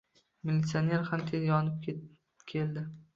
Militsioner ham tez yetib keldi.